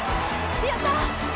やった！